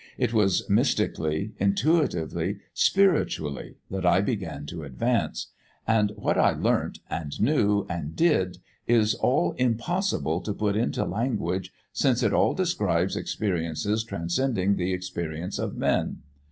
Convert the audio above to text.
It was mystically, intuitively, spiritually that I began to advance. And what I learnt, and knew, and did is all impossible to put into language, since it all describes experiences transcending the experiences of men.